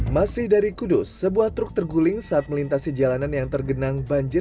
masih dari kudus sebuah truk terguling saat melintasi jalanan yang tergenang banjir